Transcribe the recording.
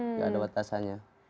tidak ada batasannya